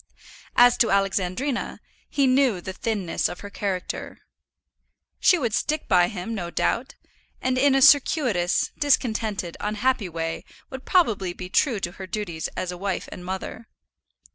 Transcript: As to Alexandrina, he knew the thinness of her character. She would stick by him, no doubt; and in a circuitous, discontented, unhappy way, would probably be true to her duties as a wife and mother.